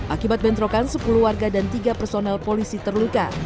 akibat bentrokan sepuluh warga dan tiga personel polisi terluka